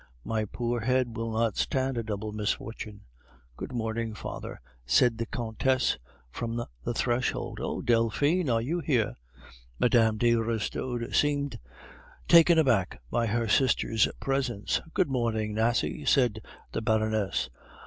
My poor head will not stand a double misfortune." "Good morning, father," said the Countess from the threshold. "Oh! Delphine, are you here?" Mme. de Restaud seemed taken aback by her sister's presence. "Good morning, Nasie," said the Baroness.